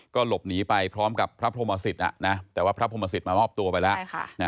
ก็หลบหนีไปพร้อมกับพระพรหมสิตแต่ว่าพระพรมศิษย์มามอบตัวไปแล้ว